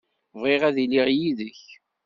Bɣiɣ ad iliɣ yid-k.